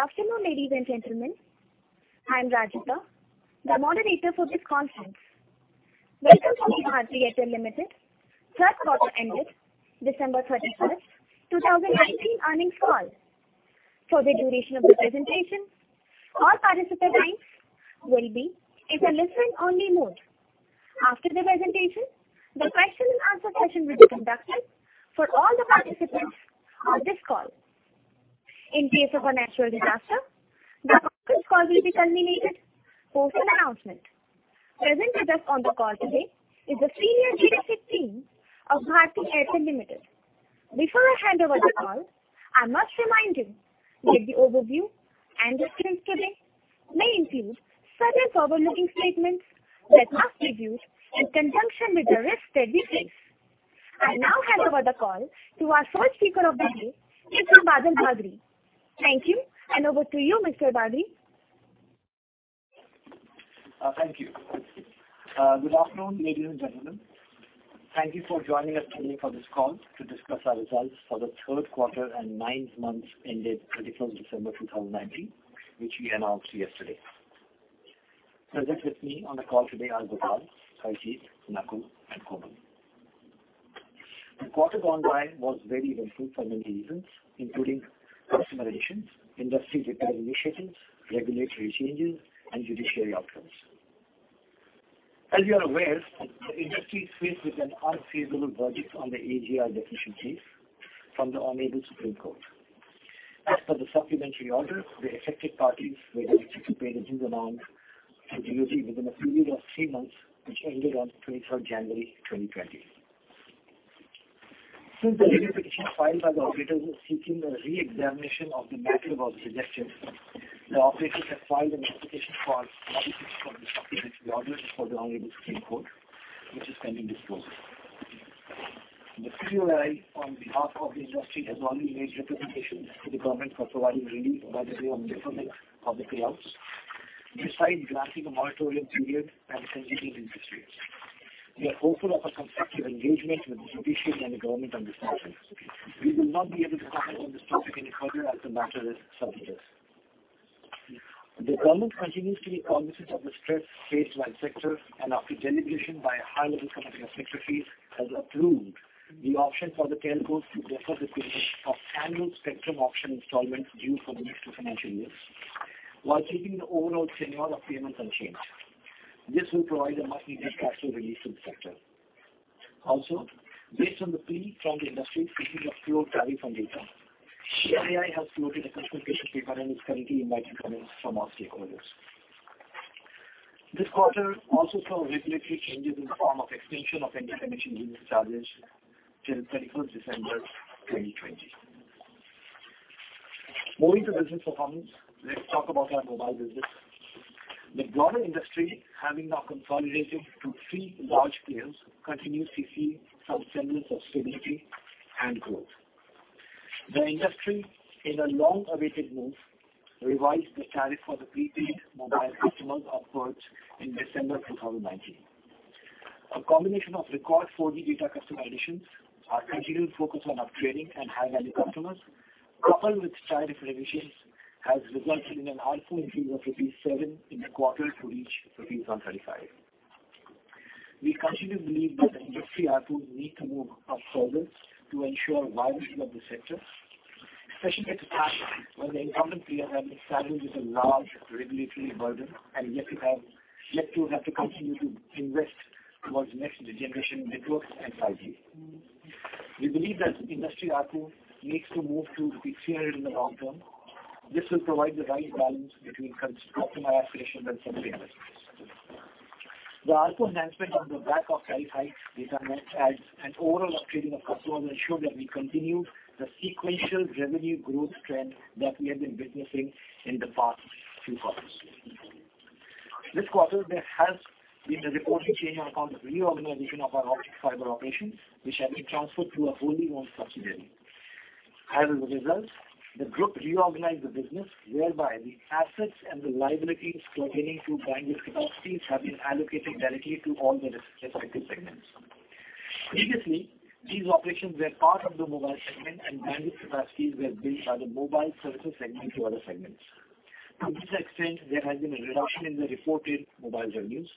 Good afternoon, ladies and gentlemen. I'm Rajyita, the moderator for this conference. Welcome to the Bharti Airtel Limited third quarter ended December 31, 2019, earnings call. For the duration of the presentation, all participants' names will be in the listen-only mode. After the presentation, the question-and-answer session will be conducted for all the participants on this call. In case of a natural disaster, the conference call will be terminated post-announcement. Present with us on the call today is the senior leadership team of Bharti Airtel Limited. Before I hand over the call, I must remind you that the overview and the screen-skipping may include several overlooking statements that must be viewed in conjunction with the risks that we face. I now hand over the call to our first speaker of the day, Mr. Badal Bagri. Thank you, and over to you, Mr. Bagri. Thank you. Good afternoon, ladies and gentlemen. Thank you for joining us today for this call to discuss our results for the third quarter and nine months ended 21st December 2019, which we announced yesterday. Present with me on the call today are Gopal, Harjeet, Nakul, and Komal. The quarter gone by was very eventful for many reasons, including customer issues, industry repair initiatives, regulatory changes, and judiciary outcomes. As you are aware, the industry is faced with an unfavorable verdict on the AGR deficiencies from the Honorable Supreme Court. As per the supplementary order, the affected parties were directed to pay the due amount due to duty within a period of three months, which ended on 23rd January 2020. Since the repeat petition filed by the operators seeking a re-examination of the matter was rejected, the operators have filed an application for modification of the supplementary order before the Honorable Supreme Court, which is pending disclosure. The COAI, on behalf of the industry, has only made representation to the government for providing relief by way of the settlement of the payouts, despite granting a monetary period and continued interest rates. We are hopeful of a constructive engagement with the judiciary and the government on this matter. We will not be able to comment on this topic any further as the matter is sub judice. The government continues to be cognizant of the stress faced by the sector, and after deliberation by a high-level committee of sector, has approved the option for the telcos to defer the payment of annual spectrum auction installments due for the next financial years, while keeping the overall tenure of payments unchanged. This will provide a much-needed cash flow release to the sector. Also, based on the plea from the industry seeking a full tariff on data, COAI has floated a consultation paper and is currently inviting comments from all stakeholders. This quarter also saw regulatory changes in the form of extension of interconnection usage charges till 31 December 2020. Moving to business performance, let's talk about our mobile business. The global industry, having now consolidated to three large players, continues to see some semblance of stability and growth. The industry, in a long-awaited move, revised the tariff for the prepaid mobile customers on purge in December 2019. A combination of record 4G data customer additions, our continued focus on upgrading and high-value customers, coupled with tariff revisions, has resulted in an ARPU increase of rupees 7 in the quarter to reach rupees 135. We continue to believe that the industry ARPUs need to move up further to ensure vibrancy of the sector, especially at a time when the incumbent players are being saddled with a large regulatory burden and yet have to continue to invest towards next-generation networks and 5G. We believe that industry ARPU needs to move to INR 300 in the long term. This will provide the right balance between customer aspirations and subsidy investments. The RFO enhancement on the back of tariff hikes, data net adds, and overall upgrading of customers ensured that we continued the sequential revenue growth trend that we have been witnessing in the past few quarters. This quarter, there has been a reported change on account of reorganization of our optic fiber operations, which have been transferred to a wholly owned subsidiary. As a result, the group reorganized the business whereby the assets and the liabilities pertaining to bandwidth capacities have been allocated directly to all the respective segments. Previously, these operations were part of the mobile segment, and bandwidth capacities were billed by the mobile services segment to other segments. To this extent, there has been a reduction in the reported mobile revenues.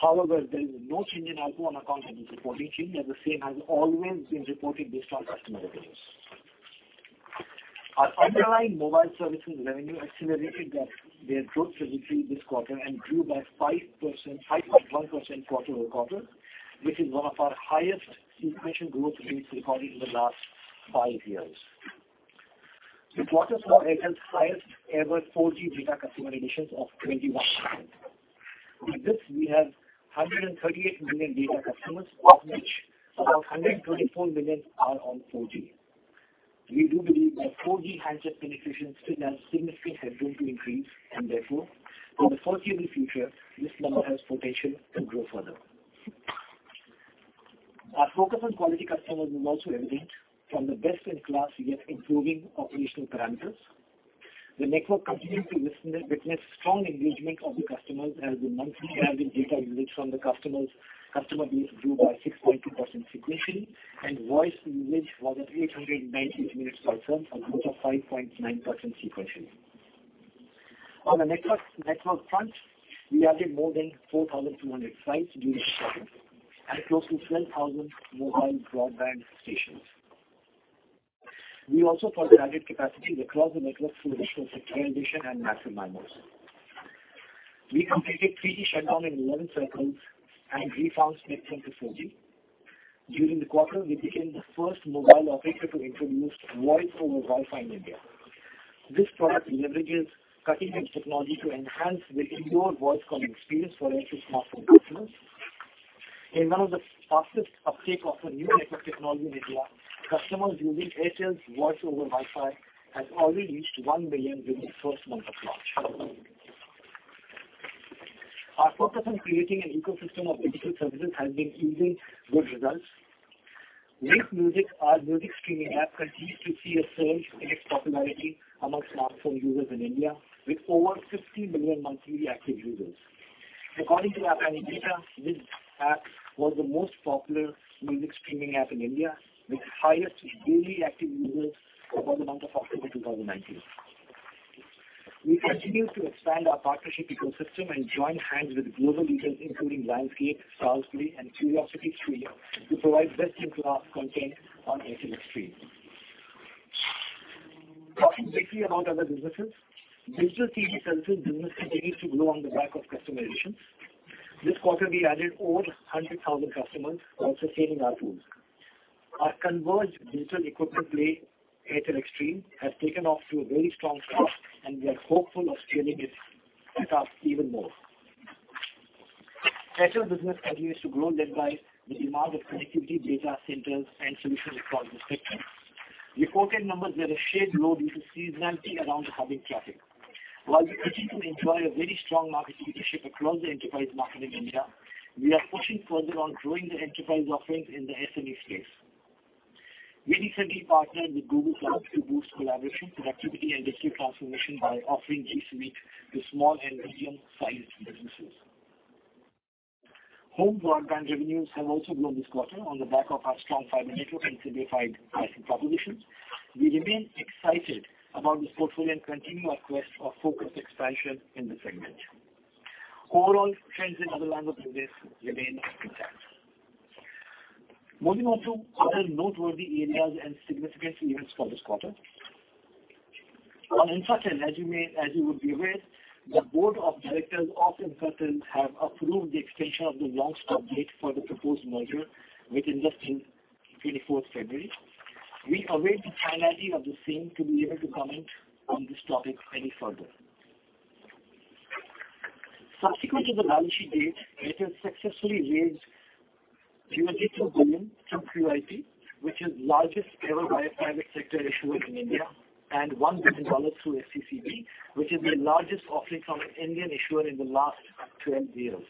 However, there is no change in RFO on account of this reporting change, as the same has always been reported based on customer revenues. Our underlying mobile services revenue accelerated their growth trajectory this quarter and grew by 5.1% quarter over quarter, which is one of our highest sequential growth rates recorded in the last five years. The quarter four has held highest-ever 4G data customer additions of 21%. With this, we have 138 million data customers, of which about 124 million are on 4G. We do believe that 4G handset penetrations still have significant headroom to increase, and therefore, in the foreseeable future, this number has potential to grow further. Our focus on quality customers is also evident from the best-in-class yet improving operational parameters. The network continues to witness strong engagement of the customers as the monthly average data usage from the customer base grew by 6.2% sequentially, and voice usage was at 898 minutes per term, a growth of 5.9% sequentially. On the network front, we added more than 4,200 sites due to shutdown and close to 12,000 mobile broadband stations. We also further added capacities across the network through additional sectorization and massive MIMO. We completed 3G shutdown in 11 circles and refarmed mid-band to 4G. During the quarter, we became the first mobile operator to introduce Voice over Wi-Fi in India. This product leverages cutting-edge technology to enhance the indoor voice calling experience for Airtel smartphone customers. In one of the fastest uptake of a new network technology in India, customers using Airtel's Voice over Wi-Fi have already reached 1 million during the first month of launch. Our focus on creating an ecosystem of digital services has been yielding good results. Wynk Music, our music streaming app, continues to see a surge in its popularity among smartphone users in India, with over 50 million monthly active users. According to AppAnyData, this app was the most popular music streaming app in India, with the highest daily active users for the month of October 2019. We continue to expand our partnership ecosystem and join hands with global leaders, including Lionsgate, Starzplay, and Curiosity Stream, to provide best-in-class content on Airtel Xstream. Talking briefly about other businesses, digital TV services business continues to grow on the back of customer additions. This quarter, we added over 100,000 customers, also scaling our pools. Our converged digital equipment play, Airtel Xstream, has taken off to a very strong start, and we are hopeful of scaling its setup even more. Airtel business continues to grow, led by the demand of connectivity, data centers, and solutions across the spectrum. Reported numbers were a shade low due to seasonality around the hubbing traffic. While we continue to enjoy a very strong market leadership across the enterprise market in India, we are pushing further on growing the enterprise offerings in the SME space. We recently partnered with Google Cloud to boost collaboration, productivity, and digital transformation by offering G Suite to small and medium-sized businesses. Home broadband revenues have also grown this quarter on the back of our strong fiber network and simplified license propositions. We remain excited about this portfolio and continue our quest for focused expansion in the segment. Overall trends in other lines of business remain unchanged. Moving on to other noteworthy areas and significant events for this quarter. On Infratel, as you would be aware, the Board of Directors of Infratel have approved the extension of the long stop date for the proposed merger, which ends in 24th February. We await the finality of the same to be able to comment on this topic any further. Subsequent to the balance sheet date, Airtel successfully raised 22 billion through QIP, which is the largest ever by a private sector issuer in India, and $1 billion through FCCB, which is the largest offering from an Indian issuer in the last 12 years.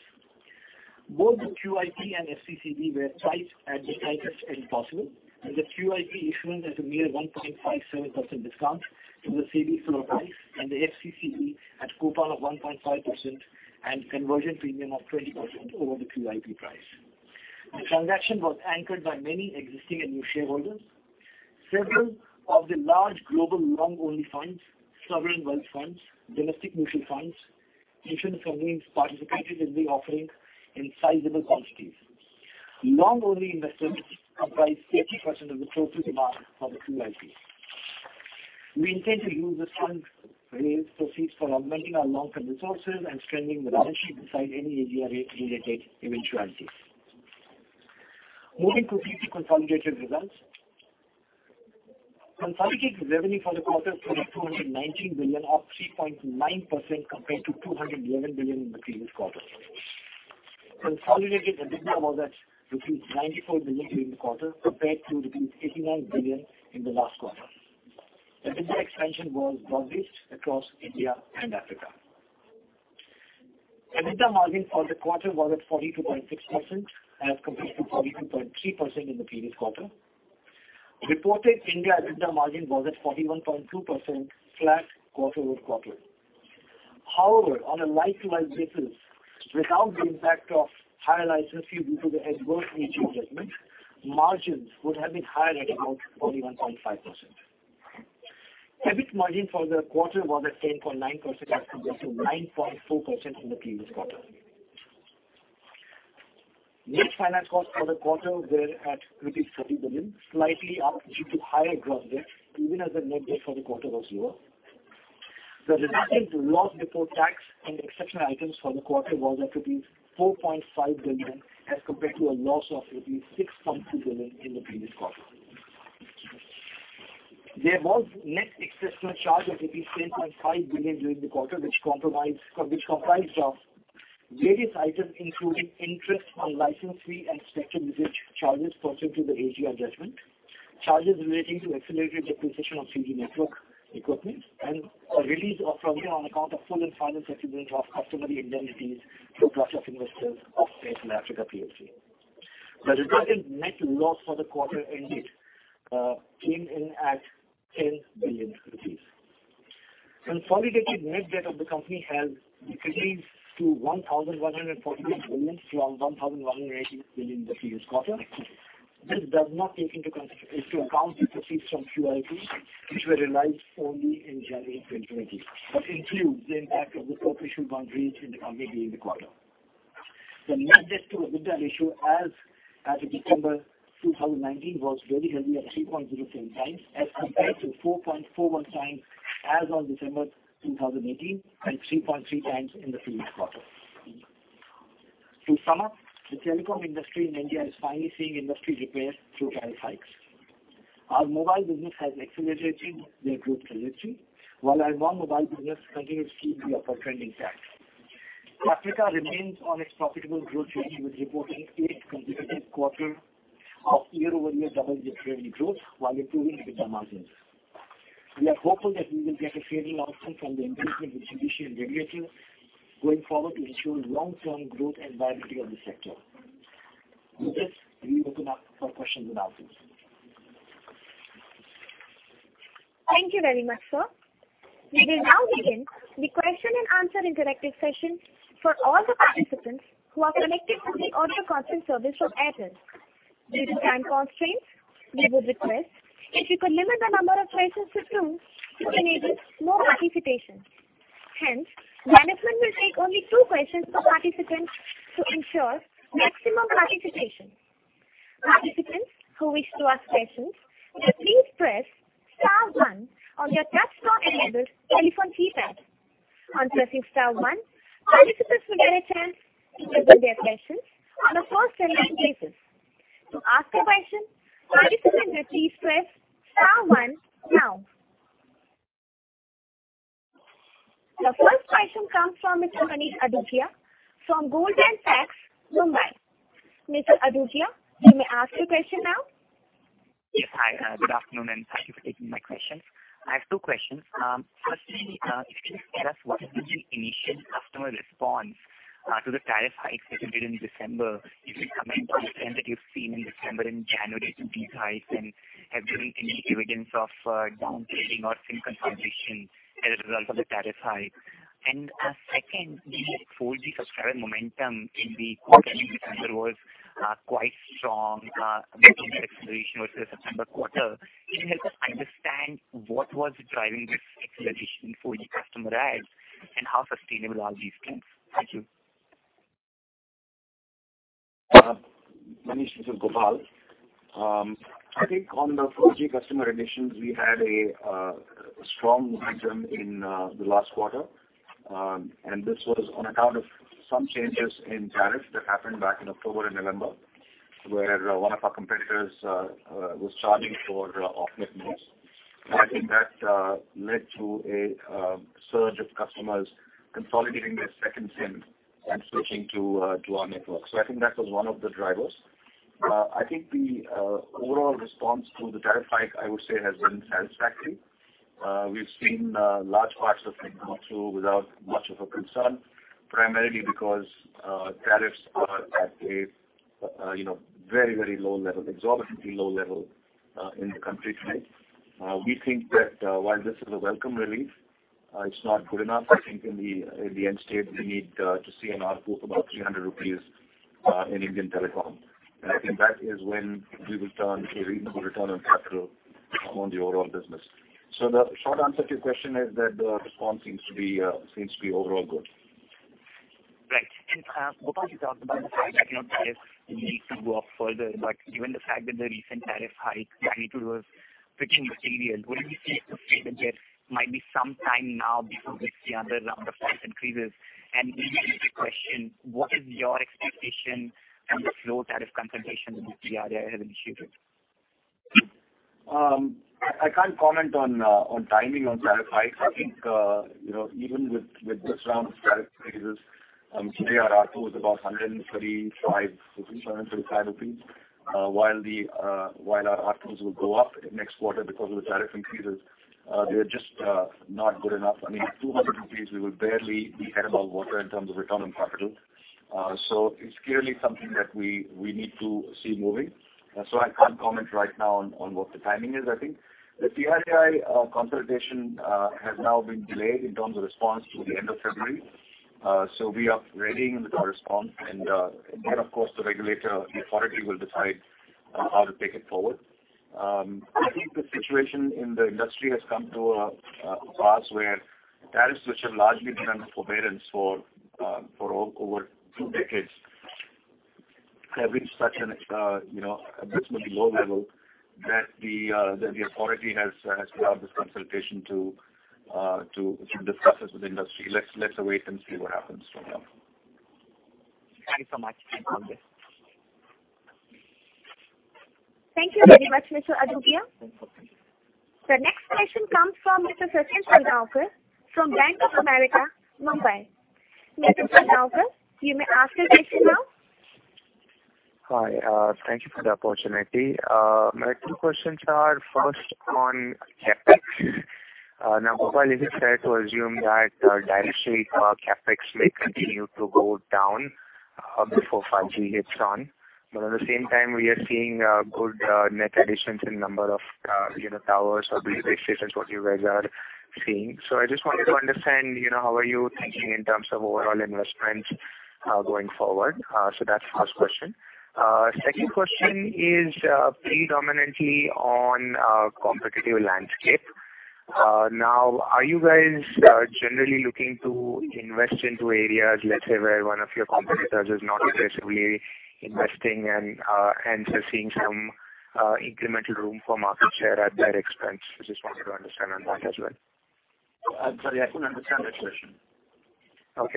Both the QIP and FCCB were priced at the tightest possible, with the QIP issuance at a mere 1.57% discount to the CB floor price, and the FCCB at a coupon of 1.5% and conversion premium of 20% over the QIP price. The transaction was anchored by many existing and new shareholders. Several of the large global long-only funds, sovereign wealth funds, domestic mutual funds, insurance companies participated in the offering in sizable quantities. Long-only investments comprised 80% of the total demand for the QIP. We intend to use the fund-raised proceeds for augmenting our long-term resources and strengthening the balance sheet besides any AGR-related eventualities. Moving quickly to consolidated results, consolidated revenue for the quarter closed at 219 billion, up 3.9% compared to 211 billion in the previous quarter. Consolidated EBITDA was at rupees 94 billion during the quarter, compared to rupees 89 billion in the last quarter. EBITDA expansion was broad-based across India and Africa. EBITDA margin for the quarter was at 42.6%, as compared to 42.3% in the previous quarter. Reported India EBITDA margin was at 41.2%, flat quarter over quarter. However, on a likewise basis, without the impact of higher license fee due to the adverse AGR adjustment, margins would have been higher at about 41.5%. EBIT margin for the quarter was at 10.9%, as compared to 9.4% in the previous quarter. Net finance cost for the quarter was at rupees 30 billion, slightly up due to higher gross debt, even as the net debt for the quarter was lower. The resultant loss before tax and exceptional items for the quarter was at 4.5 billion, as compared to a loss of 6.2 billion in the previous quarter. There was net exceptional charge of 10.5 billion during the quarter, which comprised of various items, including interest on license fee and spectrum usage charges pursuant to the AGR adjustment, charges relating to accelerated depreciation of 3G network equipment, and a release of revenue on account of full and final settlement of customary indemnities to a cluster of investors of Airtel Africa. The resultant net loss for the quarter ended came in at 10 billion rupees. Consolidated net debt of the company has decreased to 1,146 billion from 1,180 billion in the previous quarter. This does not take into account the proceeds from QIP, which were realized only in January 2020, but includes the impact of the perpetual bond range in the company during the quarter. The net debt to EBITDA ratio as of December 2019 was very heavy at 3.07 times, as compared to 4.41 times as of December 2018 and 3.3 times in the previous quarter. To sum up, the telecom industry in India is finally seeing industry repair through tariff hikes. Our mobile business has accelerated their growth trajectory, while our non-mobile business continues to keep the upper trend intact. Africa remains on its profitable growth journey, with reporting eight consecutive quarters of year-over-year double digit revenue growth, while improving EBITDA margins. We are hopeful that we will get a favorable outcome from the engagement with GDC and regulators, going forward to ensure long-term growth and viability of the sector. With this, we open up for questions and answers. Thank you very much, sir. We will now begin the question-and-answer interactive session for all the participants who are connected to the audio consent service from Airtel. Due to time constraints, we would request if you could limit the number of questions to two to enable more participation. Hence, management will take only two questions per participant to ensure maximum participation. Participants who wish to ask questions, please press star one on their touch-star enabled telephone keypad. On pressing star one, participants will get a chance to present their questions on a first-and-last basis. To ask a question, participants will please press star one now. The first question comes from Mr. Manish Adukia, from Goldman Sachs, Mumbai. Mr. Adukia, may I ask your question now. Yes, hi. Good afternoon, and thank you for taking my question. I have two questions. Firstly, if you could tell us what is the initial customer response to the tariff hikes that you did in December? If you can comment on the trend that you've seen in December and January to these hikes, and have you seen any evidence of downtrading or some consolidation as a result of the tariff hikes? Second, the 4G subscriber momentum in the quarter in December was quite strong, making that acceleration over the September quarter. Can you help us understand what was driving this acceleration in 4G customer ads, and how sustainable are these trends? Thank you. Manish, this is Gopal. I think on the 4G customer additions, we had a strong momentum in the last quarter, and this was on account of some changes in tariffs that happened back in October and November, where one of our competitors was charging for off-net nets. I think that led to a surge of customers consolidating their second SIM and switching to our network. I think that was one of the drivers. I think the overall response to the tariff hike, I would say, has been satisfactory. We've seen large parts of it come through without much of a concern, primarily because tariffs are at a very, very low level, exorbitantly low level in the country today. We think that while this is a welcome relief, it's not good enough. I think in the end state, we need to see an ARPU of about 300 rupees in Indian telecom. I think that is when we will turn a reasonable return on capital on the overall business. The short answer to your question is that the response seems to be overall good. Right. Gopal, you talked about the fact that you do not see a need to go up further, but given the fact that the recent tariff hike magnitude was pretty material, what do you think to say that there might be some time now before we see another round of price increases? In the question, what is your expectation on the slow tariff consolidation that the TRAI has initiated? I cannot comment on timing on tariff hikes. I think even with this round of tariff increases, today our ARPU was about 135, 135 rupees, while our ARPUs will go up next quarter because of the tariff increases. They are just not good enough. I mean, 200 rupees, we will barely be head above water in terms of return on capital. It is clearly something that we need to see moving. I cannot comment right now on what the timing is. I think the TRAI consolidation has now been delayed in terms of response to the end of February. We are readying with our response, and then, of course, the regulatory authority will decide how to take it forward. I think the situation in the industry has come to a pass where tariffs, which have largely been under forbearance for over two decades, have reached such an abysmally low level that the authority has put out this consultation to discuss it with industry. Let's await and see what happens from now. Thank you so much and all the best. Thank you very much, Mr. Adukia. The next question comes from Mr. Sachin Salgaonkar from Bank of America, Mumbai. Mr. Salgaonkar, you may ask your question now. Hi. Thank you for the opportunity. My two questions are first on CapEx. Now, Gopal, is it fair to assume that directly CapEx may continue to go down before 5G hits on? At the same time, we are seeing good net additions in number of towers or base stations, what you guys are seeing. I just wanted to understand how are you thinking in terms of overall investments going forward. That is the first question. Second question is predominantly on competitive landscape. Are you guys generally looking to invest into areas, let's say, where one of your competitors is not aggressively investing and seeing some incremental room for market share at their expense? I just wanted to understand on that as well. I'm sorry. I could not understand that question. One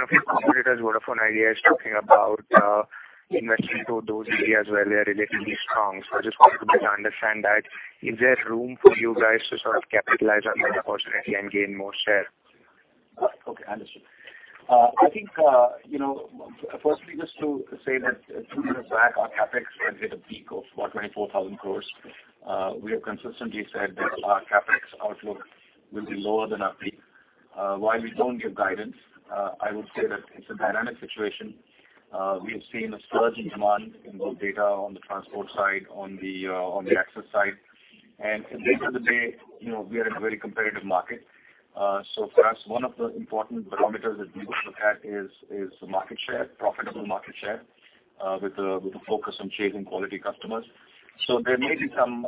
of your competitors, Vodafone Idea, is talking about investing in those areas where they are relatively strong. I just wanted to better understand that. Is there room for you guys to sort of capitalize on that opportunity and gain more share? Okay. Understood. I think firstly, just to say that two years back, our CapEx had hit a peak of about 24,000 crore. We have consistently said that our CapEx outlook will be lower than our peak, while we do not give guidance. I would say that it is a dynamic situation. We have seen a surge in demand in the data on the transport side, on the access side. At the end of the day, we are in a very competitive market. For us, one of the important barometers that we would look at is market share, profitable market share, with a focus on chasing quality customers. There may be some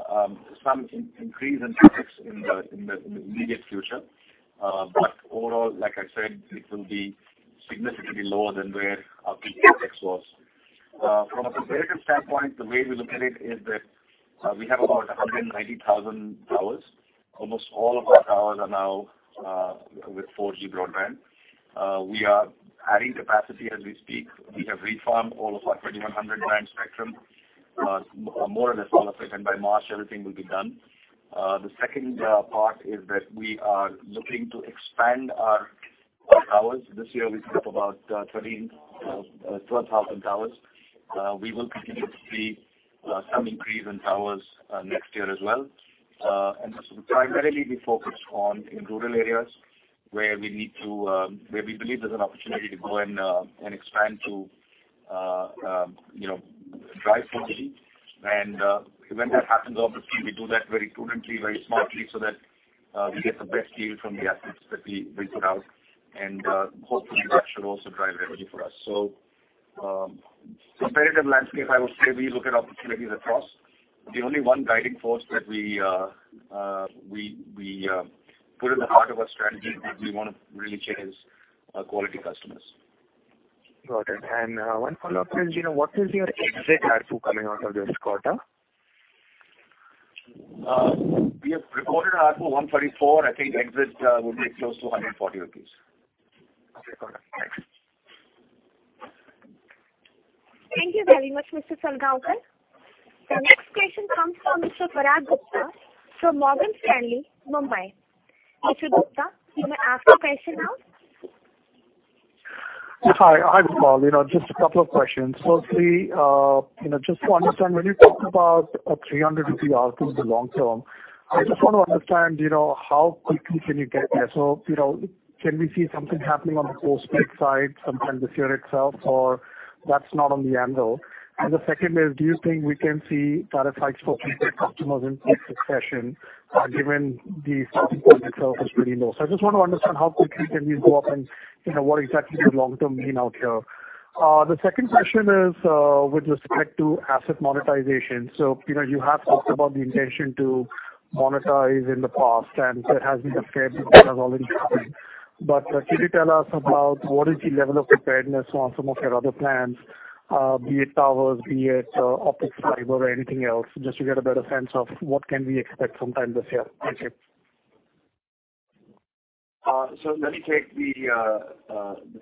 increase in CapEx in the immediate future, but overall, like I said, it will be significantly lower than where our peak CapEx was. From a competitive standpoint, the way we look at it is that we have about 190,000 towers. Almost all of our towers are now with 4G broadband. We are adding capacity as we speak. We have refarmed all of our 2100-band spectrum, more or less all of it, and by March, everything will be done. The second part is that we are looking to expand our towers. This year, we set up about 12,000 towers. We will continue to see some increase in towers next year as well. This will primarily be focused on rural areas where we need to, where we believe there is an opportunity to go and expand to drive 4G. When that happens, obviously, we do that very prudently, very smartly, so that we get the best deal from the assets that we put out. Hopefully, that should also drive revenue for us. Competitive landscape, I would say we look at opportunities across. The only one guiding force that we put in the heart of our strategy is that we want to really chase quality customers. Got it. One follow-up is, what is your exit ARPU coming out of this quarter? We have recorded our ARPU at 134. I think exit would be close to 140 rupees. Okay. Got it. Thanks. Thank you very much, Mr. Salgaonkar. The next question comes from Mr. Parag Gupta from Morgan Stanley, Mumbai. Mr. Gupta, you may ask your question now. Hi, Gopal. Just a couple of questions. Firstly, just to understand, when you talked about a 300 rupee ARPU in the long term, I just want to understand how quickly can you get there? I just want to understand can we see something happening on the postpaid side, sometime this year itself, or that's not on the anvil? The second is, do you think we can see tariff hikes for prepaid customers in succession given the starting point itself is pretty low? I just want to understand how quickly can we go up and what exactly does long-term mean out here? The second question is with respect to asset monetization. You have talked about the intention to monetize in the past, and there has been a fair bit that has already happened. Can you tell us about what is the level of preparedness on some of your other plans, be it towers, be it optics fiber, or anything else, just to get a better sense of what can we expect sometime this year? Thank you. Let me take the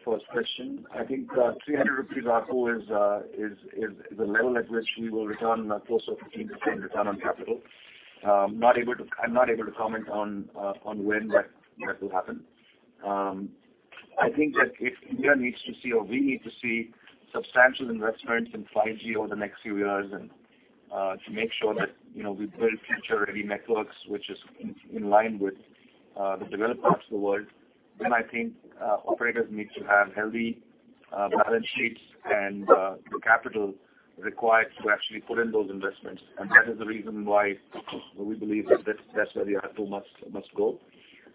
first question. I think the INR 300 ARPU is a level at which we will return close to 15% return on capital. I'm not able to comment on when that will happen. I think that if India needs to see, or we need to see, substantial investments in 5G over the next few years and to make sure that we build future-ready networks, which is in line with the developed parts of the world, then I think operators need to have healthy balance sheets and the capital required to actually put in those investments. That is the reason why we believe that that's where the R2 must go.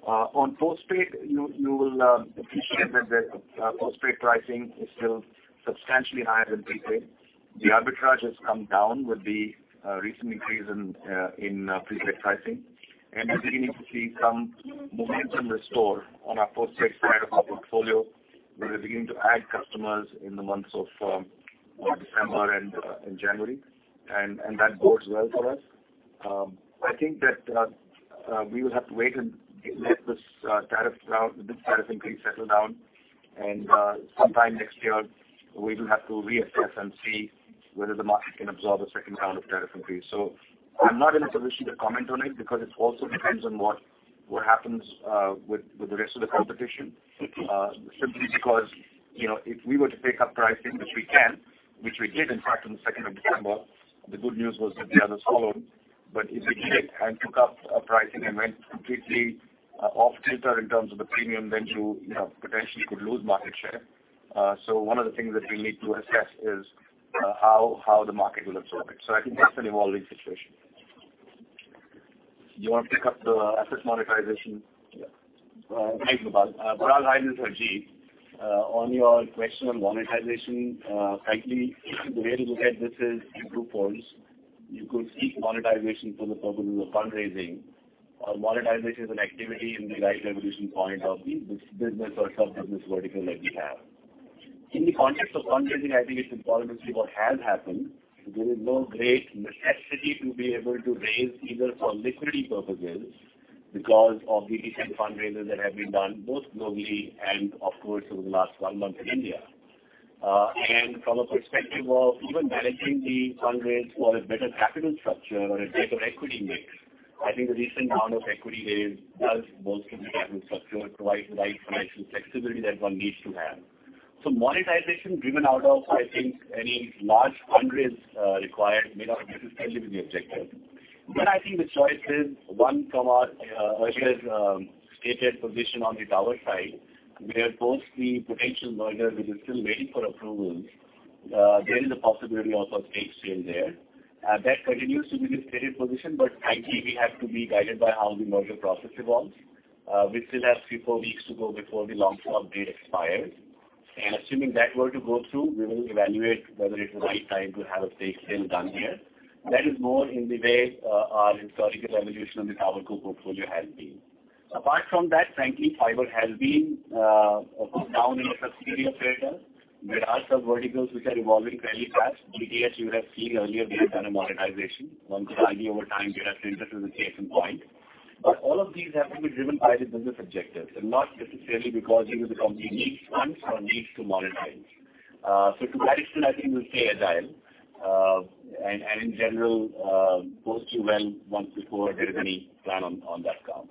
On post-paid, you will appreciate that the post-paid pricing is still substantially higher than prepaid. The arbitrage has come down with the recent increase in prepaid pricing. We are beginning to see some momentum restore on our post-paid side of our portfolio. We are beginning to add customers in the months of December and January, and that bodes well for us. I think that we will have to wait and let this tariff increase settle down. Sometime next year, we will have to reassess and see whether the market can absorb a second round of tariff increase. I'm not in a position to comment on it because it also depends on what happens with the rest of the competition, simply because if we were to pick up pricing, which we can, which we did, in fact, on the 2nd of December, the good news was that the others followed. If we didn't and took up pricing and went completely off-tilter in terms of the premium, then you potentially could lose market share. One of the things that we need to assess is how the market will absorb it. I think that's an evolving situation. You want to pick up the asset monetization? Thanks, Gopal. Hi, my name is Harjeet. On your question on monetization, frankly, the way to look at this is two poles. You could seek monetization for the purpose of fundraising, or monetization is an activity in the right evolution point of the business or sub-business vertical that we have. In the context of fundraising, I think it's important to see what has happened. There is no great necessity to be able to raise either for liquidity purposes because of the recent fundraisers that have been done, both globally and, of course, over the last one month in India. From a perspective of even managing the fundraise for a better capital structure or a greater equity mix, I think the recent round of equity raise does bolster the capital structure, provides the right financial flexibility that one needs to have. Monetization driven out of, I think, any large fundraise required may not consistently be the objective. I think the choice is, one, from our earlier stated position on the tower side, where both the potential mergers, which are still waiting for approvals, there is a possibility of a stake sale there. That continues to be the stated position, but frankly, we have to be guided by how the merger process evolves. We still have three or four weeks to go before the long-term update expires. Assuming that were to go through, we will evaluate whether it is the right time to have a stake sale done here. That is more in the way our historical evolution on the tower-co portfolio has been. Apart from that, frankly, fiber has been a bit down in the subsidiary sector. There are some verticals which are evolving fairly fast. BTS, you have seen earlier they have done a monetization. One could argue over time they have entered at a decision point. All of these have to be driven by the business objectives and not necessarily because either the company needs funds or needs to monetize. To that extent, I think we'll stay agile. In general, both do well once before there is any plan on that count.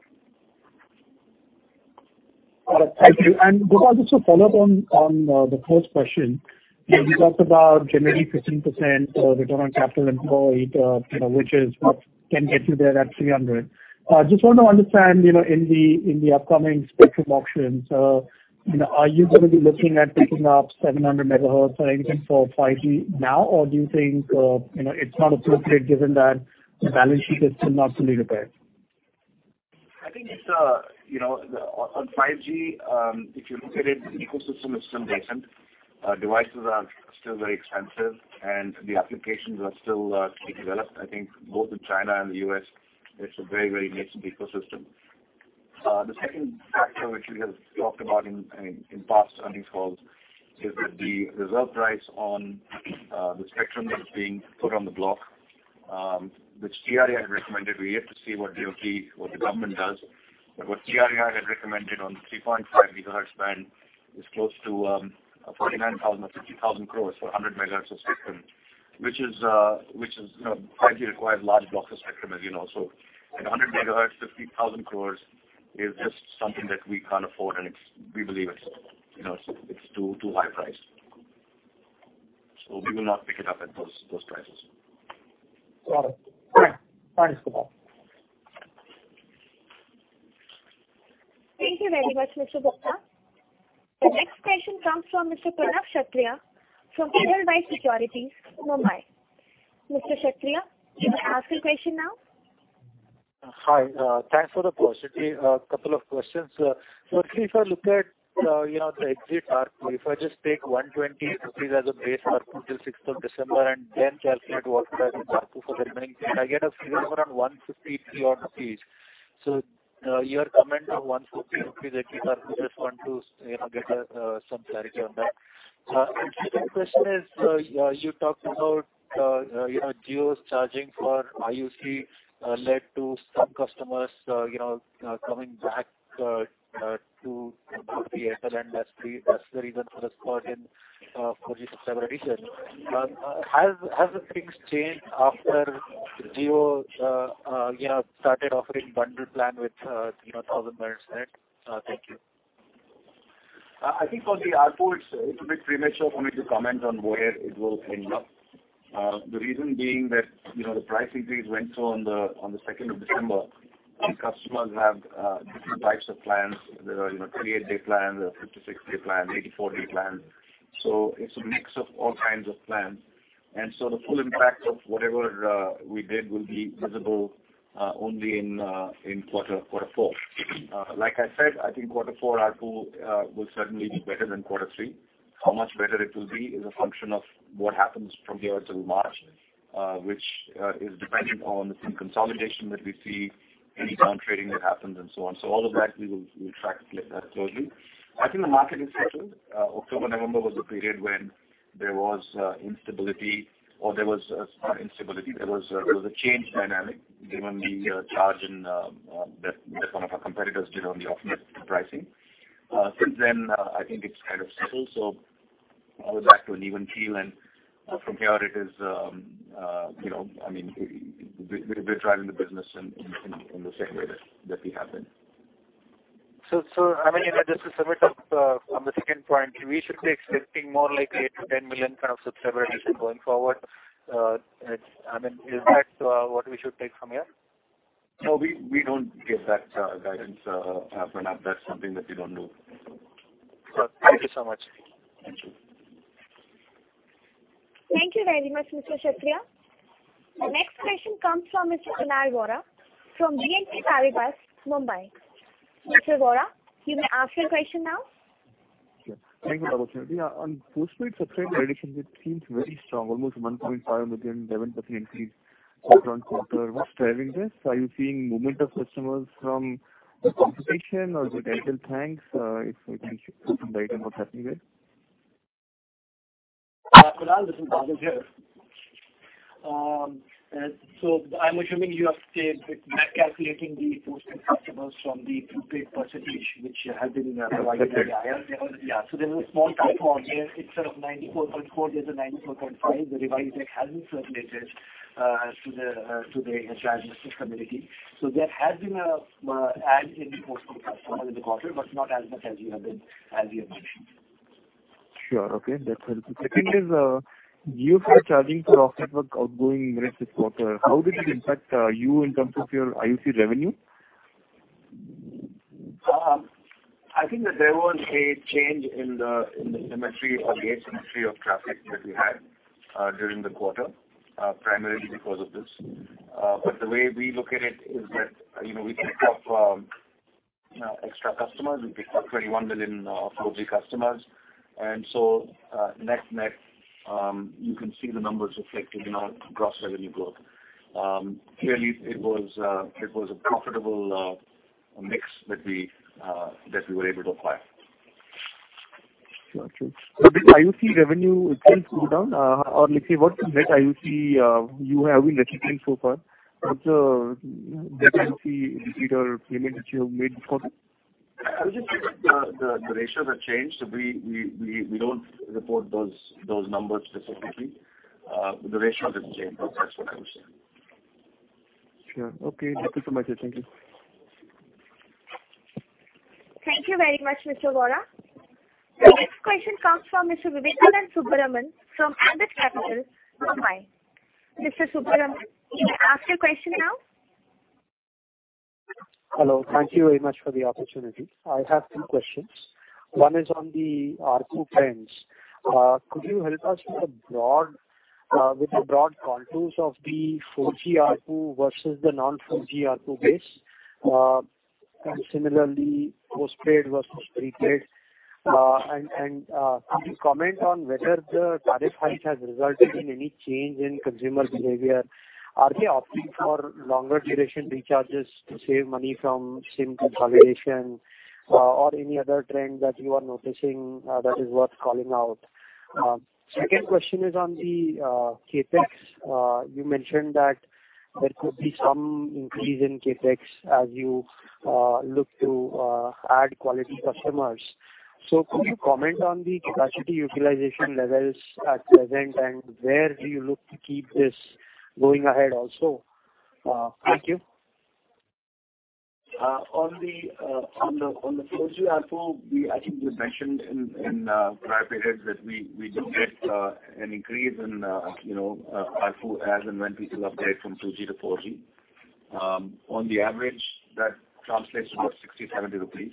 Got it. Thank you. Gopal, just to follow up on the fourth question, you talked about generally 15% return on capital employed, which is what can get you there at 300. Just want to understand in the upcoming spectrum auctions, are you going to be looking at picking up 700 MHz or anything for 5G now, or do you think it's not appropriate given that the balance sheet is still not fully repaired? I think on 5G, if you look at it, the ecosystem is still nascent. Devices are still very expensive, and the applications are still to be developed. I think both in China and the U.S., it's a very, very nascent ecosystem. The second factor, which we have talked about in past earnings calls, is that the reserve price on the spectrum that is being put on the block, which TRAI had recommended. We have to see what the government does. What TRAI had recommended on the 3.5 gigahertz band is close to 49,000 crore or 50,000 crore for 100 megahertz of spectrum, which 5G requires large blocks of spectrum, as you know. At 100 megahertz, 50,000 Crores is just something that we can't afford, and we believe it's too high priced. We will not pick it up at those prices. Got it. Thanks, Gopal. Thank you very much, Mr. Gupta. The next question comes from Mr. Pranav Kshatriya from Edelweiss Securities, Mumbai. Mr. Kshatriya, you may ask your question now. Hi. Thanks for the opportunity. A couple of questions. Actually, if I look at the exit ARPU, if I just take 120 rupees as a base ARPU till 6th of December and then calculate what to add in ARPU for the remaining fee, I get a fee of around INR 150 crore. Your comment of 150, I think ARPU, just want to get some clarity on that. The second question is, you talked about Jio's charging for IUC led to some customers coming back to Airtel and 3G. That's the reason for the spot in 4G subscriber research. Has things changed after Jio started offering bundle plan with 1,000 minutes off net? Thank you. I think on the ARPU, it's a bit premature for me to comment on where it will end up. The reason being that the price increase went through on the 2nd of December, and customers have different types of plans. There are 38-day plans, there are 56-day plans, 84-day plans. It is a mix of all kinds of plans. The full impact of whatever we did will be visible only in quarter four. Like I said, I think quarter four ARPU will certainly be better than quarter three. How much better it will be is a function of what happens from here until March, which is dependent on the consolidation that we see, any downtrading that happens, and so on. All of that, we will track closely. I think the market is settled. October, November was the period when there was instability, or there was instability. There was a change dynamic given the charge and that one of our competitors did on the off-net pricing. Since then, I think it's kind of settled. I would like to an even keel, and from here, it is, I mean, we're driving the business in the same way that we have been. I mean, just to sum it up on the second point, we should be expecting more like 8-10 million kind of subsidiary going forward. I mean, is that what we should take from here? No, we don't give that guidance, Pranav. That's something that we don't do. Got it. Thank you so much. Thank you. Thank you very much, Mr. Kshatriya. The next question comes from Mr. Kunal Vora from BNP Paribas, Mumbai. Mr. Vora, you may ask your question now. Thank you for the opportunity. On post-paid subsidiary reduction, it seems very strong, almost 1.5 million, 11% increase across quarter. What's driving this? Are you seeing movement of customers from the competition, or is it Airtel Thanks? If you can share some data on what's happening there? Kunal, this is Badal here. I am assuming you have stayed back calculating the post-paid customers from the prepaid percentage, which has been revised by the IRC. Yeah. There is a small tamper on here. Instead of 94.4, there is a 94.5. The revised rate has not circulated to the transistor community. There has been an add in post-paid customers in the quarter, but not as much as you have mentioned. Sure. Okay. That is helpful. Second is, Jio's charging for off-network outgoing minutes this quarter. How did it impact you in terms of your IUC revenue? I think that there was a change in the symmetry or gauge symmetry of traffic that we had during the quarter, primarily because of this. The way we look at it is that we picked up extra customers. We picked up 21 million of OB customers. Net net, you can see the numbers reflected in our gross revenue growth. Clearly, it was a profitable mix that we were able to acquire. Gotcha. Did IUC revenue itself go down? Let's say what net IUC you have been receiving so far. What's the net IUC receipt or payment that you have made this quarter? I would just say that the ratios have changed. We do not report those numbers specifically. The ratios have changed, but that is what I would say. Okay. Sure. Thank you so much. Thank you very much, Mr. Vora. The next question comes from Mr. Vivekanand Subbaraman from Ambit Capital, Mumbai. Mr. Subbaraman, you may ask your question now. Hello. Thank you very much for the opportunity. I have two questions. One is on the ARPU trends. Could you help us with the broad contours of the 4G ARPU versus the non-4G ARPU base? Similarly, postpaid versus prepaid? Could you comment on whether the tariff hike has resulted in any change in consumer behavior? Are they opting for longer duration recharges to save money from SIM consolidation or any other trend that you are noticing that is worth calling out? Second question is on the CapEx. You mentioned that there could be some increase in CapEx as you look to add quality customers. Could you comment on the capacity utilization levels at present, and where do you look to keep this going ahead also? Thank you. On the 4G ARPU, I think you mentioned in prior periods that we did get an increase in ARPU as and when people upgrade from 2G to 4G. On the average, that translates to about 60-70 rupees.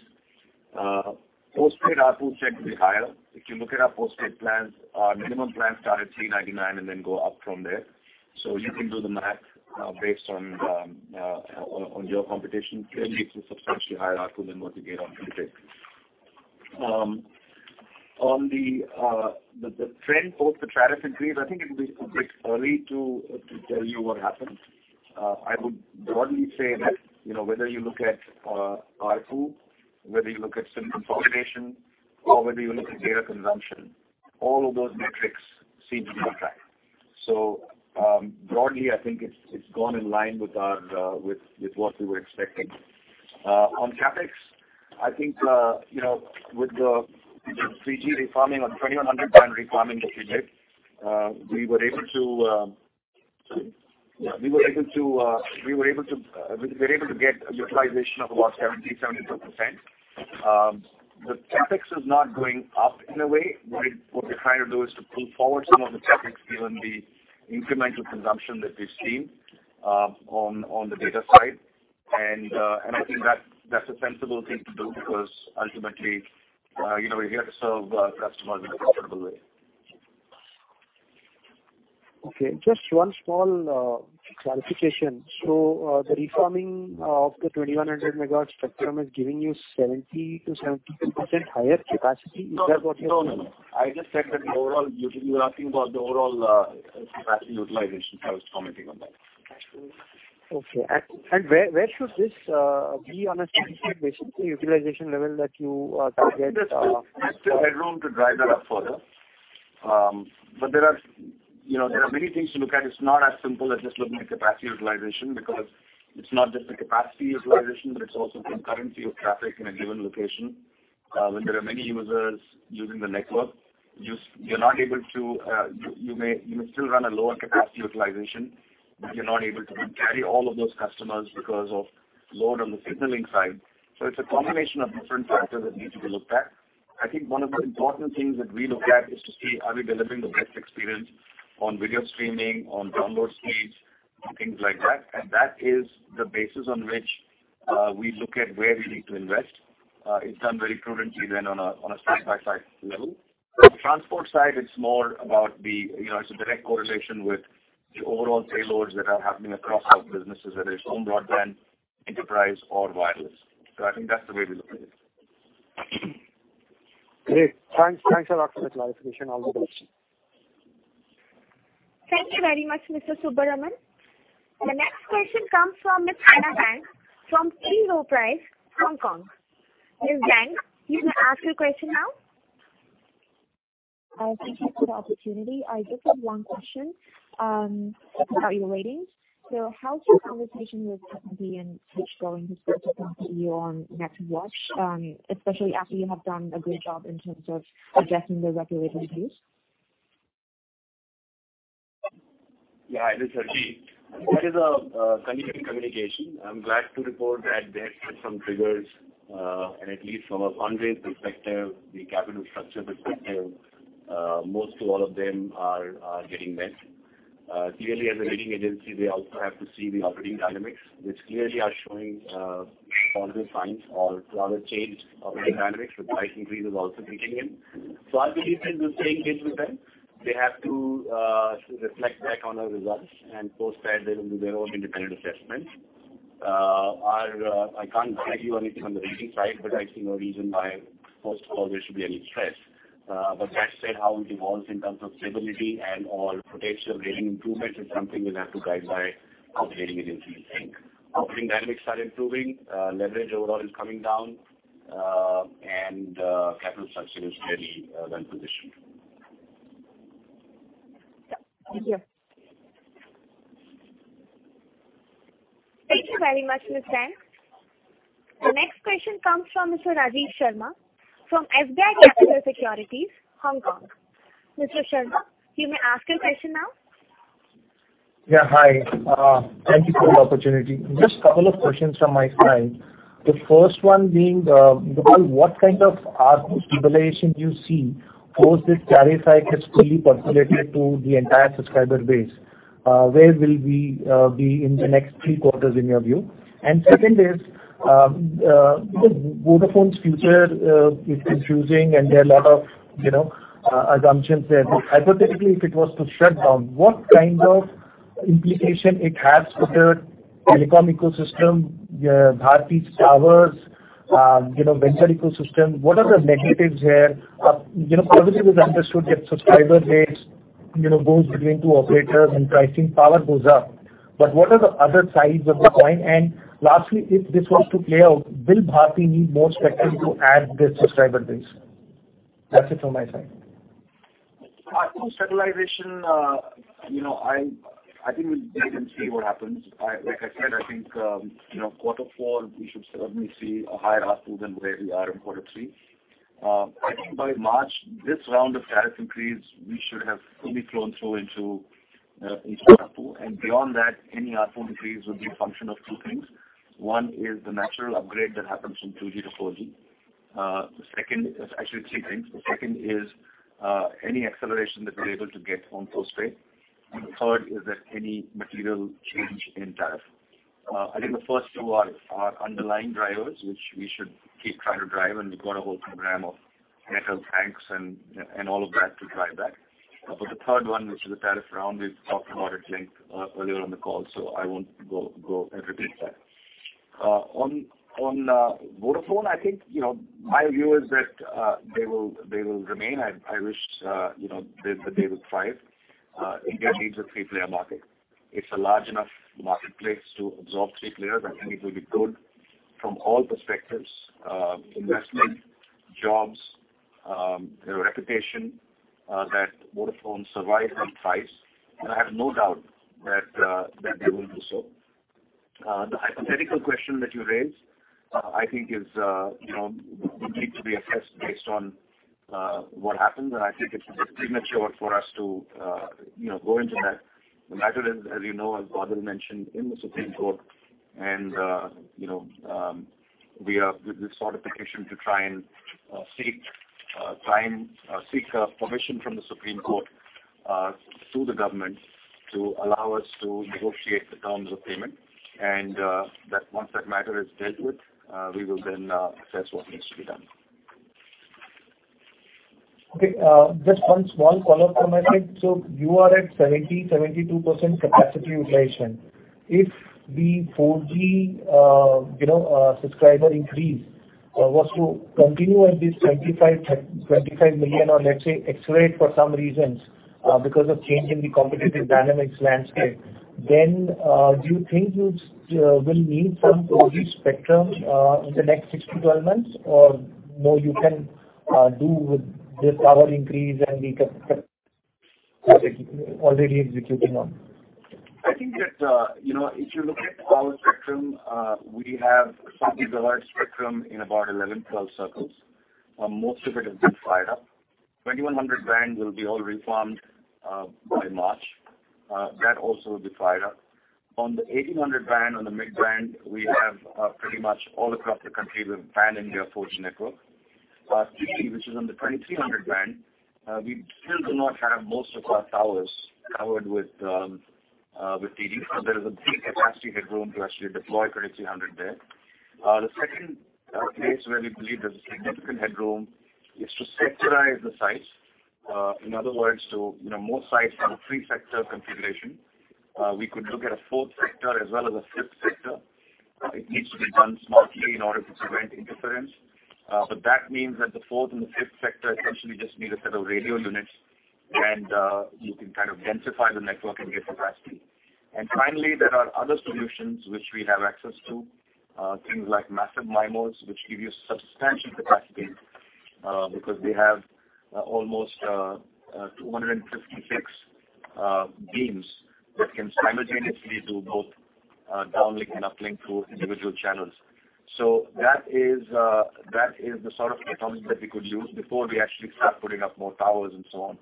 Post-paid ARPU tends to be higher. If you look at our post-paid plans, our minimum plans start at 399 and then go up from there. You can do the math based on your competition. Clearly, it is a substantially higher ARPU than what you get on prepaid. On the trend, both the tariff increase, I think it will be a bit early to tell you what happened. I would broadly say that whether you look at ARPU, whether you look at SIM consolidation, or whether you look at data consumption, all of those metrics seem to be on track. Broadly, I think it has gone in line with what we were expecting. On CapEx, I think with the 3G refarming, on 2100 band refarming that we did, we were able to—sorry. Yeah, we were able to get a utilization of about 70-72%. The CapEx is not going up in a way. What we're trying to do is to pull forward some of the CapEx given the incremental consumption that we've seen on the data side. I think that's a sensible thing to do because ultimately, we have to serve customers in a profitable way. Okay. Just one small clarification. The refarming of the 2100 megahertz spectrum is giving you 70-72% higher capacity. Is that what you're saying? No, no, no. I just said that the overall—you were asking about the overall capacity utilization. I was commenting on that. Okay. Where should this be on a specific basis? The utilization level that you target? There's headroom to drive that up further. There are many things to look at. It's not as simple as just looking at capacity utilization because it's not just the capacity utilization, but it's also concurrency of traffic in a given location. When there are many users using the network, you're not able to—you may still run a lower capacity utilization, but you're not able to carry all of those customers because of load on the signaling side. It's a combination of different factors that need to be looked at. I think one of the important things that we look at is to see, are we delivering the best experience on video streaming, on download speeds, things like that? That is the basis on which we look at where we need to invest. It's done very prudently then on a site-by-site level. On the transport side, it's more about the—it's a direct correlation with the overall payloads that are happening across our businesses, whether it's home broadband, enterprise, or wireless. I think that's the way we look at it. Great. Thanks a lot for the clarification. All the best. Thank you very much, Mr. Subbaraman. The next question comes from Ms. Anna Zhang from T. Rowe Price, Hong Kong. Ms. Yang, you may ask your question now. Thank you for the opportunity. I just have one question about your ratings. How's your conversation with BNP going this quarter compared to you on Netwatch, especially after you have done a good job in terms of addressing the regulatory dues? Yeah, it is Harjeet. That is a continuing communication. I'm glad to report that there are some triggers, and at least from a fundraising perspective, the capital structure perspective, most or all of them are getting met. Clearly, as a rating agency, they also have to see the operating dynamics, which clearly are showing positive signs or rather changed operating dynamics. The price increase is also kicking in. I believe this is staying in with them. They have to reflect back on our results, and post that, they will do their own independent assessments. I can't guarantee you anything on the rating side. I see no reason why post-pause there should be any stress. That said, how it evolves in terms of stability and/or potential rating improvements is something we'll have to guide by what the rating agencies think. Operating dynamics are improving. Leverage overall is coming down, and capital structure is clearly well positioned. Thank you. Thank you very much, Mr. Zhang. The next question comes from Mr. Rajiv Sharma from SBI Capital Securities, Hong Kong. Mr. Sharma, you may ask your question now. Yeah. Hi. Thank you for the opportunity. Just a couple of questions from my side. The first one being, Gopal, what kind of ARPU stabilization do you see post this tariff hike has fully percolated to the entire subscriber base? Where will we be in the next three quarters in your view? Second is, Vodafone's future is confusing, and there are a lot of assumptions there. Hypothetically, if it was to shut down, what kind of implication it has for the telecom ecosystem, Bharti's towers, vendor ecosystem? What are the negatives here? Positive is understood that subscriber base goes between two operators, and pricing power goes up. What are the other sides of the coin? Lastly, if this was to play out, will Bharti need more spectrum to add this subscriber base? That's it from my side. ARPU stabilization, I think we can see what happens. Like I said, I think quarter four, we should certainly see a higher ARPU than where we are in quarter three. I think by March, this round of tariff increase, we should have fully flown through into ARPU. Beyond that, any ARPU increase would be a function of two things. One is the natural upgrade that happens from 2G to 4G. Actually, three things. The second is any acceleration that we're able to get on post-paid. The third is that any material change in tariff. I think the first two are underlying drivers, which we should keep trying to drive, and we've got a whole program of metal tanks and all of that to drive that. The third one, which is the tariff round, we've talked about at length earlier on the call, so I won't go and repeat that. On Vodafone, I think my view is that they will remain. I wish that they would thrive. India needs a three-player market. It's a large enough marketplace to absorb three players. I think it will be good from all perspectives: investment, jobs, reputation, that Vodafone survives on price. I have no doubt that they will do so. The hypothetical question that you raised, I think, would need to be assessed based on what happens, and I think it's premature for us to go into that. The matter is, as you know, as Badal mentioned in the Supreme Court, and we have this sort of petition to try and seek permission from the Supreme Court through the government to allow us to negotiate the terms of payment. Once that matter is dealt with, we will then assess what needs to be done. Okay. Just one small follow-up from my side. You are at 70-72% capacity utilization. If the 4G subscriber increase was to continue at this 25 million or, let's say, accelerate for some reasons because of change in the competitive dynamics landscape, do you think you will need some 4G spectrum in the next 6-12 months? Or no, you can do with the power increase and the capacity you already executing on? I think that if you look at the power spectrum, we have some reserved spectrum in about 11, 12 circles. Most of it has been fired up. 2100 band will be all reformed by March. That also will be fired up. On the 1800 band, on the mid band, we have pretty much all across the country, we've band India 4G network. Particularly, which is on the 2300 band, we still do not have most of our towers covered with TDs. So there is a big capacity headroom to actually deploy 2300 there. The second place where we believe there's a significant headroom is to sectorize the sites. In other words, most sites have a three-sector configuration. We could look at a fourth sector as well as a fifth sector. It needs to be done smartly in order to prevent interference. That means that the fourth and the fifth sector essentially just need a set of radio units, and you can kind of densify the network and get capacity. Finally, there are other solutions which we have access to, things like massive MIMOs, which give you substantial capacity because they have almost 256 beams that can simultaneously do both downlink and uplink through individual channels. That is the sort of technology that we could use before we actually start putting up more towers and so on.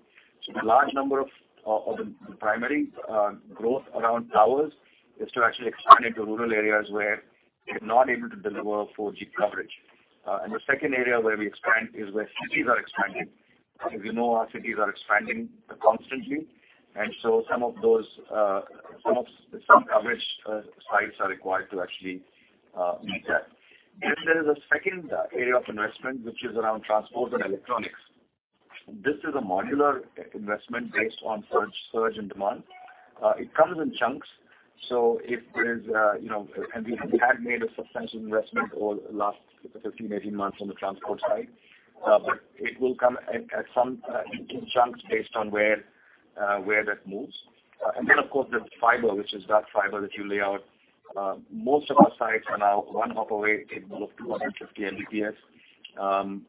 The large number of the primary growth around towers is to actually expand into rural areas where we're not able to deliver 4G coverage. The second area where we expand is where cities are expanding. As you know, our cities are expanding constantly. Some of those coverage sites are required to actually meet that. There is a second area of investment, which is around transport and electronics. This is a modular investment based on surge and demand. It comes in chunks. If there is a—and we have made a substantial investment over the last 15-18 months on the transport side. It will come in chunks based on where that moves. Of course, there is fiber, which is dark fiber that you lay out. Most of our sites are now one hop away. It will look 250 Mbps.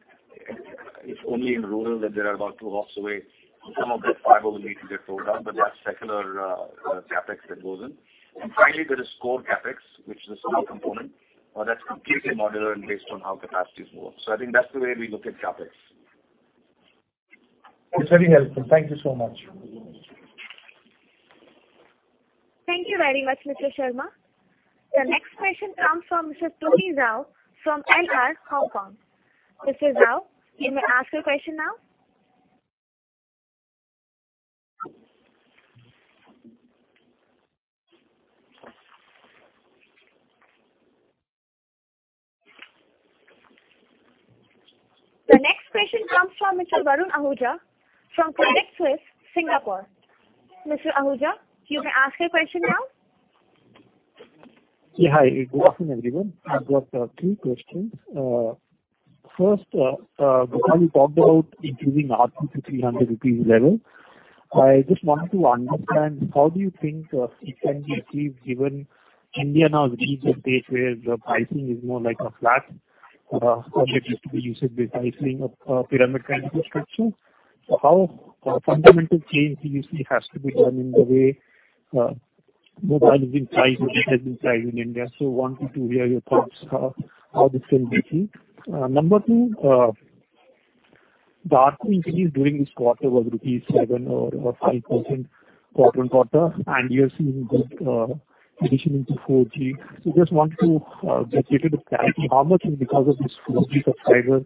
It is only in rural that there are about two hops away. Some of that fiber will need to get towed down, but that is secular CapEx that goes in. Finally, there is core CapEx, which is a small component that is completely modular and based on how capacities move. I think that is the way we look at CapEx. It is very helpful. Thank you so much. Thank you very much, Mr. Sharma. The next question comes from Mr. Tuni Rao from NR, Hong Kong. Mr. Rao, you may ask your question now. The next question comes from Mr. Varun Ahuja from Credit Suisse, Singapore. Mr. Ahuja, you may ask your question now. Yeah. Hi. Good afternoon, everyone. I've got three questions. First, Gopal talked about increasing ARPU to 300 rupees level. I just wanted to understand how do you think it can be achieved given India now reaches a stage where the pricing is more like a flat or there needs to be usage-based pricing of pyramid kind of structure? How fundamental change do you think has to be done in the way mobile is being priced or retail is being priced in India? Wanted to hear your thoughts how this can be achieved. Number two, the ARPU increase during this quarter was rupees 7 or 5% quarter on quarter, and you're seeing this addition into 4G. Just wanted to get a bit of clarity how much is because of this 4G subscriber,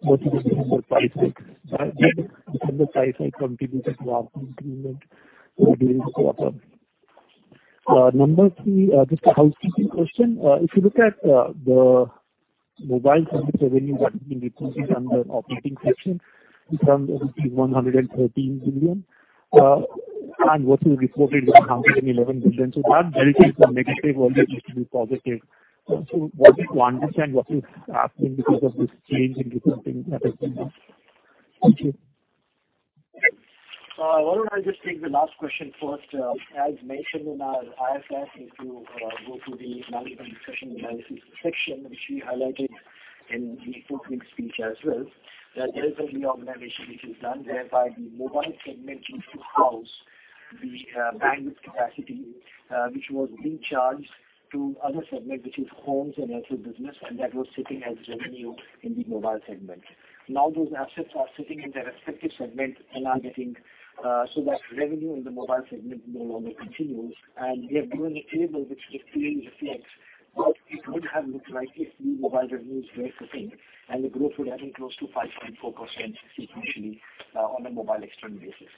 what do you think the price like? Did the price like contribute to the ARPU increment during the quarter? Number three, just a housekeeping question. If you look at the mobile service revenue that has been reported under operating section, it's around rupees 113 billion, and what is reported is 111 billion. That delicate negative always needs to be positive. Wanted to understand what is happening because of this change in recent things that has been done. Thank you. Why don't I just take the last question first? As mentioned in our IFS, if you go to the management discussion analysis section, which we highlighted in the opening speech as well, that there is a reorganization which is done whereby the mobile segment used to house the bandwidth capacity, which was being charged to other segments, which is homes and also business, and that was sitting as revenue in the mobile segment. Now those assets are sitting in their respective segment and are getting so that revenue in the mobile segment no longer continues. We have given a table which just clearly reflects what it would have looked like if the mobile revenues were sitting, and the growth would have been close to 5.4% sequentially on a mobile external basis.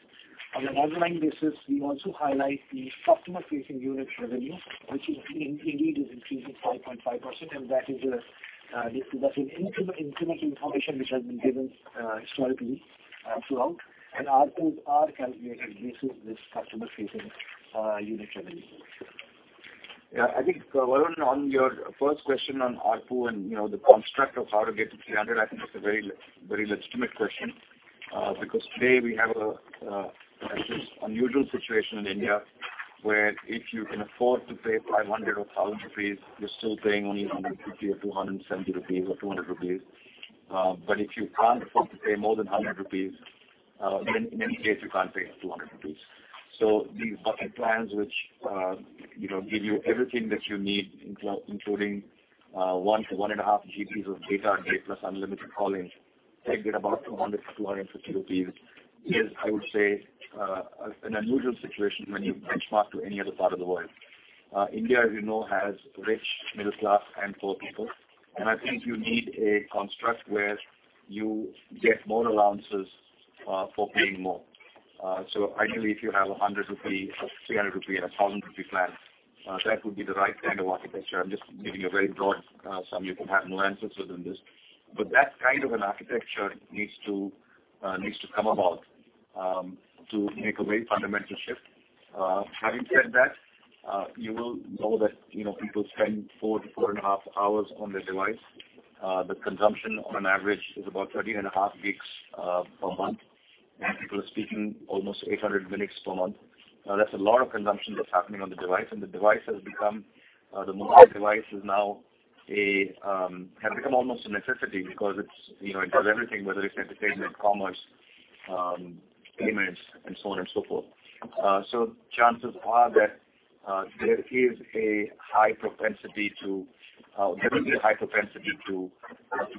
On an underlying basis, we also highlight the customer-facing unit revenue, which indeed is increasing 5.5%, and that is a—this is an incremental information which has been given historically throughout. And ARPUs are calculated based on this customer-facing unit revenue. Yeah. I think, Varun, on your first question on ARPU and the construct of how to get to 300, I think it's a very legitimate question because today we have this unusual situation in India where if you can afford to pay 500 or 1,000 rupees, you're still paying only 150 rupees or 270 rupees or 200 rupees. If you can't afford to pay more than 100 rupees, then in any case, you can't pay 200 rupees. These bucket plans, which give you everything that you need, including one to one and a half GBs of data and A+ unlimited calling, take it about 200-250 rupees, is, I would say, an unusual situation when you benchmark to any other part of the world. India, as you know, has rich middle class and poor people, and I think you need a construct where you get more allowances for paying more. Ideally, if you have a 100 rupee, a 300 rupee, and a 1,000 rupee plan, that would be the right kind of architecture. I'm just giving a very broad summary. You can have nuances within this. That kind of an architecture needs to come about to make a very fundamental shift. Having said that, you will know that people spend four to four and a half hours on their device. The consumption on average is about 13.5 GB per month, and people are speaking almost 800 minutes per month. That is a lot of consumption that is happening on the device, and the device has become—the mobile device has now become almost a necessity because it does everything, whether it is entertainment, commerce, payments, and so on and so forth. Chances are that there is a high propensity to—there will be a high propensity to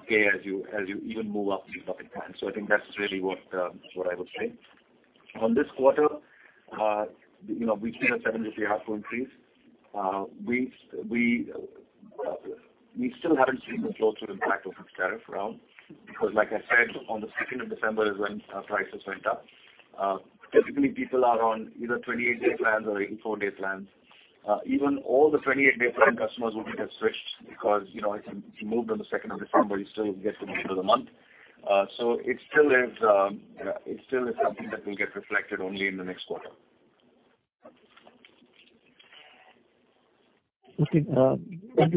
pay as you even move up these bucket plans. I think that is really what I would say. On this quarter, we have seen a 7 ARPU increase. We still have not seen the flow-through impact of this tariff round because, like I said, on the 2nd of December is when prices went up. Typically, people are on either 28-day plans or 84-day plans. Even all the 28-day plan customers would not have switched because if you moved on the 2nd of December, you still get to the end of the month. It still is something that will get reflected only in the next quarter. Thank you,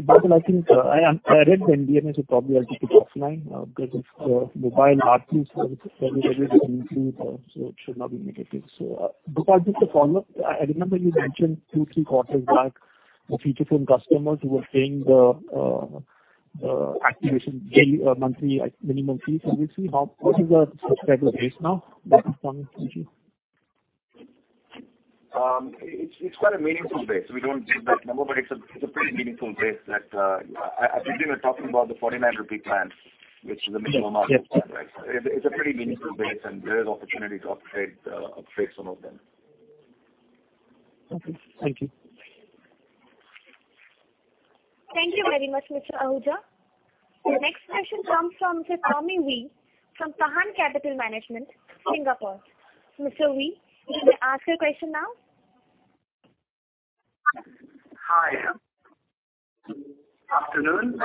Badal. I think I read the MD&A, so probably I will keep it offline because if the mobile ARPU service every day does not include, it should not be negative. Gopal, just a follow-up. I remember you mentioned two or three quarters back the feature phone customers who were paying the activation monthly minimum fee. We will see what is the subscriber base now. What is the common feature? Thank you. It is quite a meaningful base. We do not give that number, but it is a pretty meaningful base that I have been talking about, the 49 rupee plan, which is a minimum ARPU plan, right? It's a pretty meaningful base, and there is opportunity to upgrade some of them. Okay. Thank you. Thank you very much, Mr. Ahuja. The next question comes from Tammy Wee from Tahan Capital Management, Singapore. Mr. Wee, you may ask your question now. Hi. Afternoon.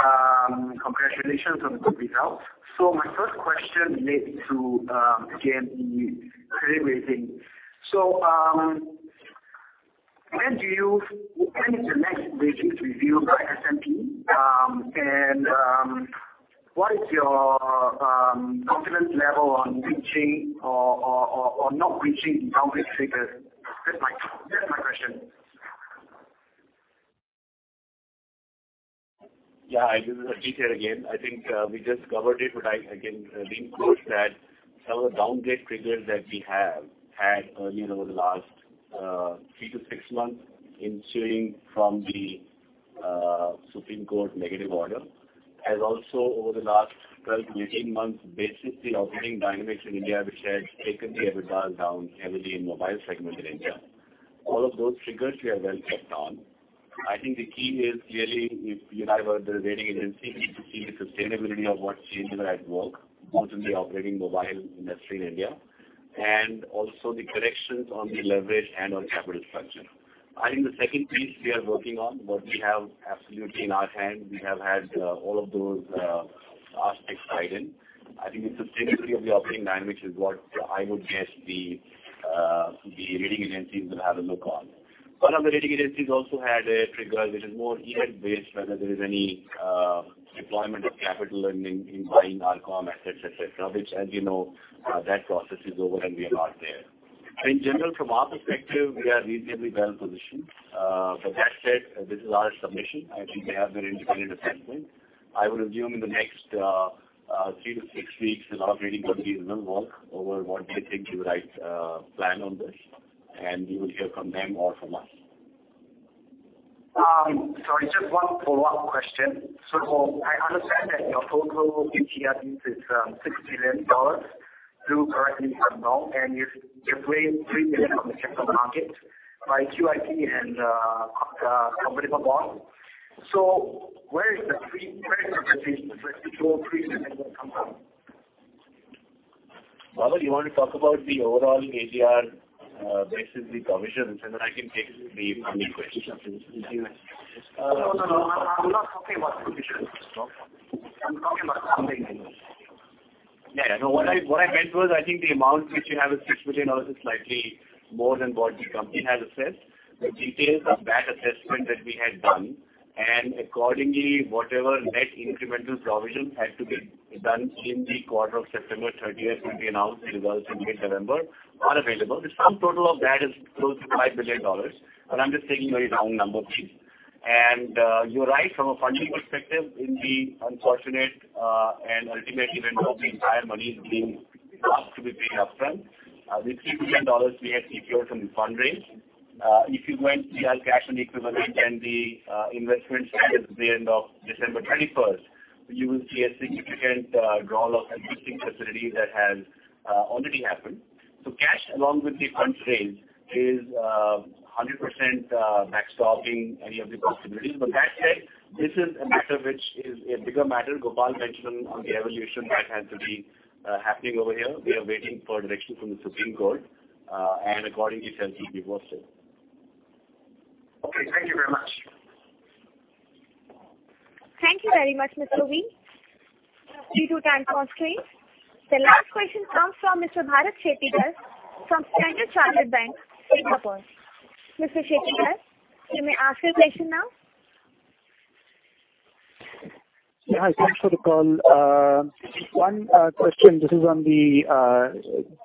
Congratulations on the complete house. My first question relates to, again, the credit rating. When is the next rating to be viewed by S&P? What is your confidence level on reaching or not reaching the downgrade triggers? That's my question. Yeah. This is Harjeet here again. I think we just covered it, but I can reinforce that some of the downgrade triggers that we have had earlier over the last three to six months ensuing from the Supreme Court negative order, as also over the last 12 to 18 months, basically operating dynamics in India, which has taken the avatar down heavily in mobile segment in India. All of those triggers were well kept on. I think the key is clearly if you and I were at the rating agency, we need to see the sustainability of what changes are at work, both in the operating mobile industry in India and also the corrections on the leverage and on capital structure. I think the second piece we are working on, what we have absolutely in our hand, we have had all of those aspects tied in. I think the sustainability of the operating dynamics is what I would guess the rating agencies will have a look on. One of the rating agencies also had a trigger that is more event-based, whether there is any deployment of capital in buying RCOM assets, etc., which, as you know, that process is over and we are not there. In general, from our perspective, we are reasonably well positioned. That said, this is our submission. I think they have their independent assessment. I would assume in the next three to six weeks, a lot of rating companies will work over what they think is the right plan on this, and we will hear from them or from us. Sorry. Just one follow-up question. I understand that your total ETR is $6 billion, correct me if I'm wrong, and you've gained $3 billion from the second market by QIP and company for bonds. Where is the 3%? Where does this all 3% then come from? Badal, you want to talk about the overall ADR, basically provisions, and then I can take the funding question. No, no, no. I'm not talking about provisions. I'm talking about funding. Yeah. Yeah. What I meant was I think the amount which you have is $6 billion, which is slightly more than what the company has assessed. The details of that assessment that we had done, and accordingly, whatever net incremental provisions had to be done in the quarter of September 30, will be announced, results in mid-November, are available. The sum total of that is close to $5 billion, but I'm just taking a very round number, please. You're right, from a funding perspective, in the unfortunate and ultimate event of the entire money being asked to be paid upfront, the $3 billion we had secured from the fundraise, if you went to your cash and equivalent and the investment started at the end of December 21, you will see a significant draw of existing facilities that has already happened. Cash along with the funds raised is 100% backstopping any of the possibilities. That said, this is a matter which is a bigger matter. Gopal mentioned on the evolution that has to be happening over here. We are waiting for direction from the Supreme Court, and accordingly shall keep you posted. Okay. Thank you very much. Thank you very much, Mr. Wee. We do time for screen. The last question comes from Mr. Bharat Shettigar from Standard Chartered Bank, Singapore. Mr. Shettigar, you may ask your question now. Yeah. Thanks for the call. One question. This is on the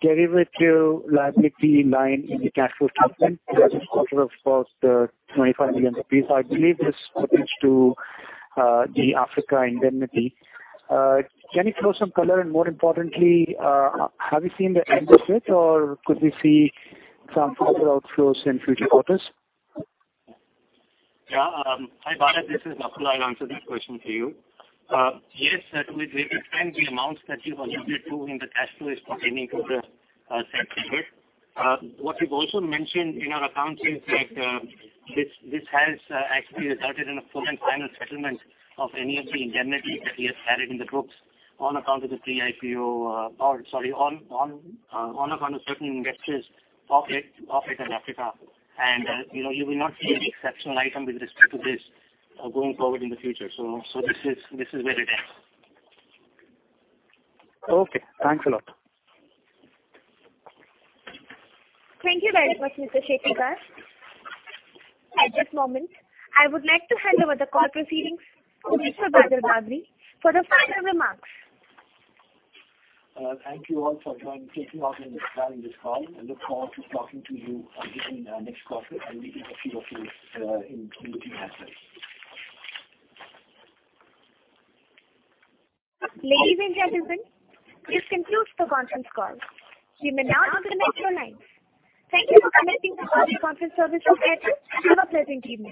derivative liability line in the cash flow statement. Last quarter of cost, the 25 million rupees. I believe this pertains to the Africa indemnity. Can you throw some color and, more importantly, have you seen the end of it, or could we see some further outflows in future quarters? Yeah. Hi, Bharat. This is Nakul. I'll answer this question for you. Yes, certainly. There is the amounts that you've alluded to in the cash flow is pertaining to the sector. What you've also mentioned in our accounting is that this has actually resulted in a full and final settlement of any of the indemnities that we have carried in the books on account of the pre-IPO or, sorry, on account of certain investors off it in Africa. You will not see any exceptional item with respect to this going forward in the future. This is where it ends. Okay. Thanks a lot. Thank you very much, Mr. Shettigar. At this moment, I would like to hand over the call proceedings to Mr. Badal Bagri for the final remarks. Thank you all for taking part in this call. I look forward to talking to you again next quarter, and we can have a few updates in between as well. Ladies and gentlemen, this concludes the conference call. You may now alternate your lines. Thank you for connecting to Bharat Conference Services. Have a pleasant evening.